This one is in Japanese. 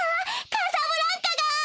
カサブランカが！